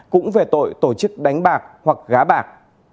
cũng về tội tổ chức đánh bạc hoặc gá bạc